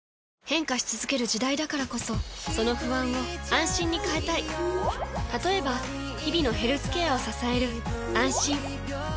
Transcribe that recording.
変化し続ける時代だからこそその不安を「あんしん」に変えたい例えば日々のヘルスケアを支える「あんしん」